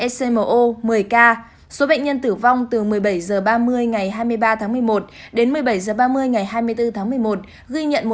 scmo một mươi k số bệnh nhân tử vong từ một mươi bảy h ba mươi ngày hai mươi ba tháng một mươi một đến một mươi bảy h ba mươi ngày hai mươi bốn tháng một mươi một ghi nhận